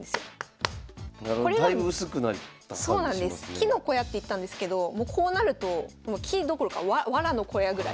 木の小屋って言ったんですけどもうこうなると木どころかワラの小屋ぐらい。